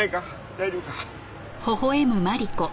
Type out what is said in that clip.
大丈夫か？